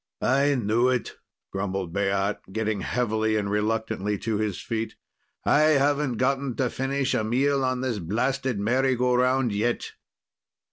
"I knew it!" grumbled Baat, getting heavily and reluctantly to his feet. "I haven't gotten to finish a meal on this blasted merry go round yet."